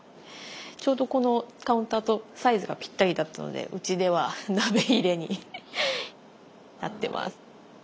ちょうどこのカウンターとサイズがぴったりだったのでうちでは鍋入れになってます。